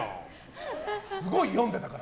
すごい読んでたから。